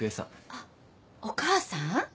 あっお母さん？